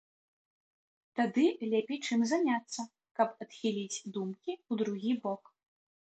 Тады лепей чым заняцца, каб адхіліць думкі ў другі бок.